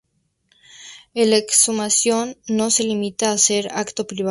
La exhumación no se limita a ser un acto privado.